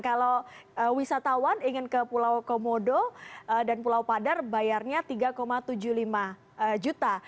kalau wisatawan ingin ke pulau komodo dan pulau padar bayarnya tiga tujuh puluh lima juta